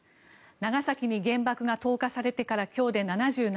長崎に原爆が投下されてから今日で７７年。